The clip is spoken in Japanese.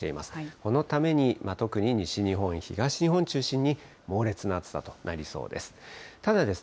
このために特に西日本、東日本中心に、猛烈な暑さとなりそうです。